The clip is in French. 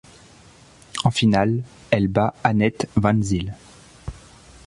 En finale, elle bat Annette Van Zyl.